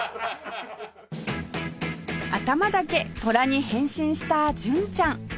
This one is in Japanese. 頭だけトラに変身した純ちゃん